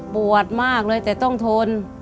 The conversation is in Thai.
ปวดมากเลยแต่ต้องทน